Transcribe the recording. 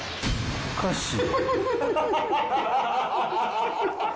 おかしい。